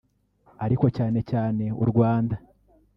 ariko cyane cyane u Rwanda